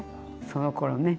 そのころね。